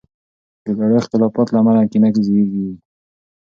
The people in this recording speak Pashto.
د زړو اختلافاتو له امله کینه زیږیږي.